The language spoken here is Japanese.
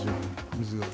水が。